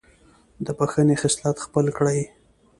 د بښنې خصلت خپل کړئ.